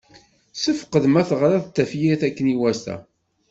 Ssefqed ma teɣriḍ-d tafyirt akken iwata.